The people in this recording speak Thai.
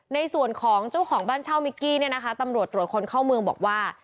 ในส่วนของเจ้าของบ้านเช่ามิกกี้เนี่ยนะคะตำรวจตรวจคนเข้าเมืองบอกว่า